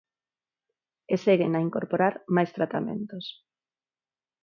E seguen a incorporar máis tratamentos.